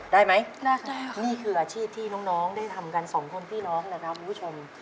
ได้ไหมนี่คืออาชีพที่น้องได้ทำกันสองคนพี่น้องนะครับคุณผู้ชม